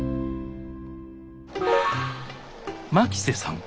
牧瀬さん